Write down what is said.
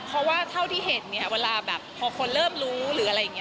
เพราะว่าเท่าที่เห็นเนี่ยเวลาแบบพอคนเริ่มรู้หรืออะไรอย่างนี้